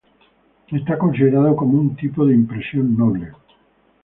Está considerado como un tipo de impresión noble.